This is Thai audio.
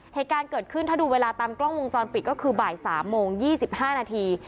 เหตุการณ์เกิดขึ้นถ้าดูเวลาตามกล้องวงจรปิดก็คือบ่าย๓โมง๒๕นาที